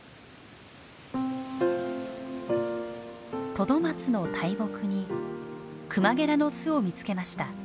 トドマツの大木にクマゲラの巣を見つけました。